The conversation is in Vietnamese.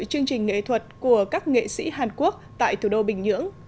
chương trình nghệ thuật của các nghệ sĩ hàn quốc tại thủ đô bình nhưỡng